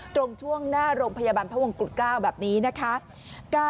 ตรงช่วงหน้าโรงพยาบาลภวงกลุ่ดเกล้าแบบนี้นะคะ